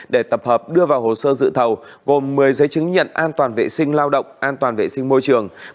để tập hợp đưa vào hồ sơ dự thầu gồm một mươi giấy chứng nhận an toàn vệ sinh lao động an toàn vệ sinh môi trường